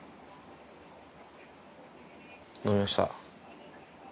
飲みました。